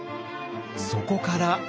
そこから。